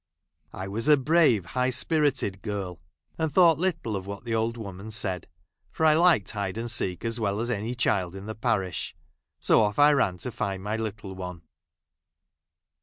I was a ,| brave, high spirited girl, and thought little ij of what the old woman said, for I liked hide : I and seek as well as any child in the pai'ish ; i I so off I ran to find my little one.